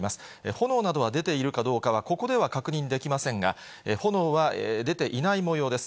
炎などは出ているかどうかは、ここでは確認できませんが、炎は出ていないもようです。